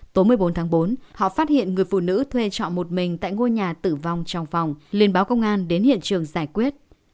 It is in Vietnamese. tối một mươi bốn tháng bốn họ phát hiện người phụ nữ thuê trọ một mình tại ngôi nhà tử vong trong phòng liên báo công an đến hiện trường giải quyết